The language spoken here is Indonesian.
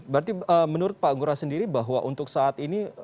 berarti menurut pak ngurah sendiri bahwa untuk saat ini